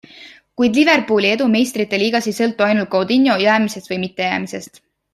Kuid Liverpooli edu Meistrite liigas ei sõltu ainult Coutinho jäämisest või mittejäämisest.